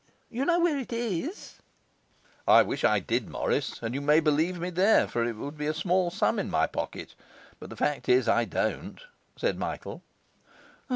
You know where it is?' 'I wish I did, Morris, and you may believe me there, for it would be a small sum in my pocket; but the fact is, I don't,' said Michael.